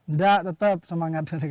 nggak tetap semangat